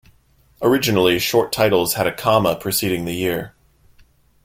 Originally short titles had a comma preceding the year.